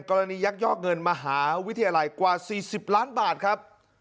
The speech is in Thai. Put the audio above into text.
ยักยอกเงินมหาวิทยาลัยกว่า๔๐ล้านบาทครับ